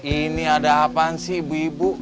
ini ada apaan sih ibu ibu